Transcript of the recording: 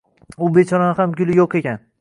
U bechoraning ham guli yo’q ekan